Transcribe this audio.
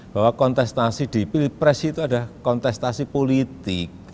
bahwa kontestasi di pilpres itu ada kontestasi politik